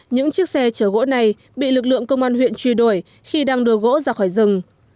những chiếc xe chở gỗ này bị lực lượng công an huyện truy đuổi khi đang đưa gỗ ra khỏi rừng